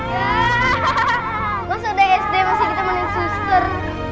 masa udah sd masih ditemenin suster